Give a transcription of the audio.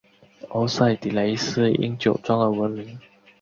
欧塞迪雷斯因酒庄而闻名。